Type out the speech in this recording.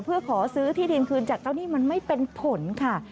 เพื่อขอซื้อที่ดินคืนจากเจ้าหนี้มันไม่เป็นผลค่ะ